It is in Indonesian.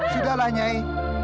sudah lah nyai